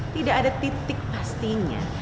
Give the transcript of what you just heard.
tidak ada titik pastinya